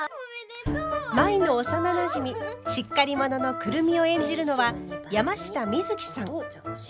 舞の幼なじみしっかり者の久留美を演じるのは山下美月さん。